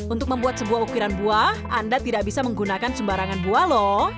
untuk membuat sebuah ukiran buah anda tidak bisa menggunakan sembarangan buah lho